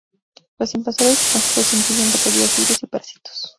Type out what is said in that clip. Los invasores extranjeros incluyen bacterias, virus y parásitos.